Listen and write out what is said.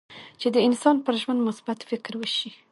چې د انسان پر ژوند مثبت فکر وشي.